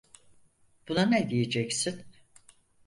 Buna ne diyeceksin?